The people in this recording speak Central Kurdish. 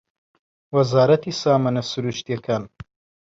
وەزارەتی سامانە سروشتییەکان